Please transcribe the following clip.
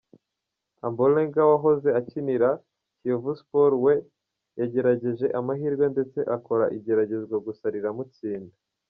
Ombolenga wahoze akinira Kiyovu Sports, we yagerageje amahirwe ndetse akora igeragezwa gusa riramutsinda.